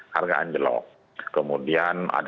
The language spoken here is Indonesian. hargaan jelok kemudian